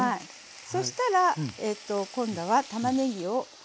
そしたら今度はたまねぎを。